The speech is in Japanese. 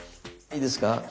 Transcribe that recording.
いいですか？